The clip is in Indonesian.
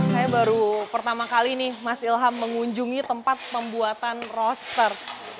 saya baru pertama kali nih mas ilham mengunjungi tempat pembuatan roster